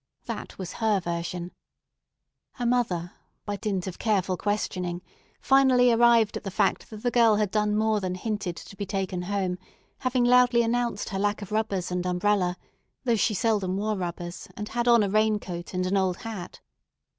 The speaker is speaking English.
That was her version. Her mother by dint of careful questioning finally arrived at the fact that the girl had more than hinted to be taken home, having loudly announced her lack of rubbers and umbrella, though she seldom wore rubbers, and had on a rain coat and an old hat.